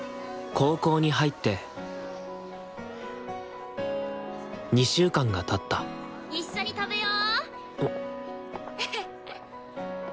高校に入って２週間がたった一緒に食べよ。